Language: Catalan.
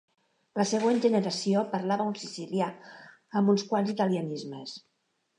La següent generació parlava un sicilià amb uns quants italianismes.